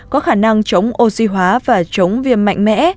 có khả năng chống oxy hóa và chống viêm mạnh mẽ